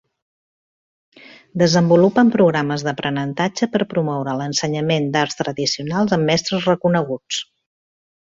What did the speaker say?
Desenvolupen programes d'aprenentatge per promoure l'ensenyament d'arts tradicionals amb mestres reconeguts.